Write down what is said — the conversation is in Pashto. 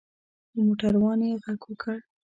په موټر وان یې غږ وکړ.